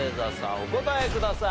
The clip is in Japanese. お答えください。